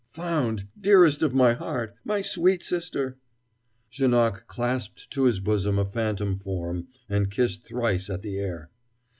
"Found! dearest of my heart! my sweet sister!" Janoc clasped to his bosom a phantom form, and kissed thrice at the air.